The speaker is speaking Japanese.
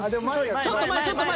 ちょっと前ちょっと前。